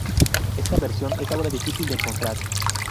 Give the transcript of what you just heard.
Esta versión es ahora, difícil de encontrar.